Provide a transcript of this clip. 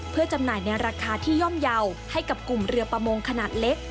เพื่อจำหน่ายในราคาที่ย่อมเยาว์ให้กับกลุ่มเรือประมงขนาดเล็ก